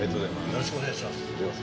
よろしくお願いします。